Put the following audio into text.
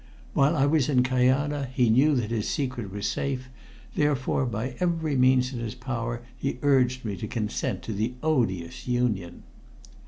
While I was in Kajana he knew that his secret was safe, therefore by every means in his power he urged me to consent to the odious union.